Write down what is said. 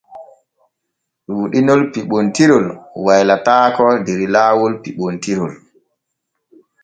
Ɗuuɗinol piɓontirol waylataako der laawol piɓontirol.